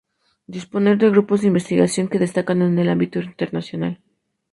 Dispone de grupos de investigación que destacan en el ámbito internacional.